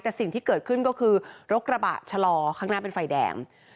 แต่สิ่งที่เกิดขึ้นก็คือรถกระบะชะลอข้างหน้าเป็นไฟแดง